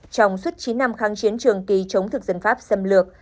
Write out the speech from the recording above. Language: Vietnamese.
trong suốt chín năm kháng chiến trường kỳ chống thực dân pháp xâm lược